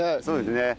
そうですね。